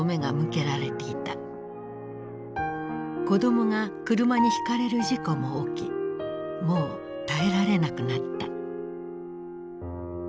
子どもが車に轢かれる事故も起きもう耐えられなくなった。